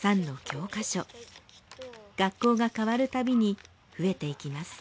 学校が変わるたびに増えていきます。